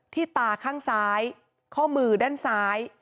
ตาข้างซ้ายข้อมือด้านซ้าย